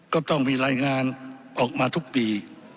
ก็ต้องมีรายงานออกมาทุกปี